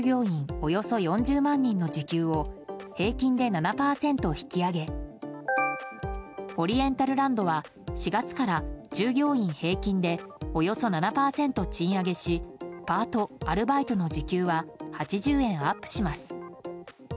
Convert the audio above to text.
およそ４０万人の時給を平均で７％引き上げオリエンタルランドは４月から従業員平均でおよそ７％賃上げしパート・アルバイトの時給は８０円アップします。